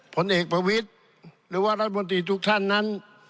ผลเอกประวิทย์หรือว่ารัฐมนตรีทุกท่านนั้น